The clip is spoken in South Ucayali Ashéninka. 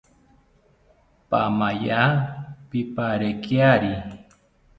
Paamaya pipariekari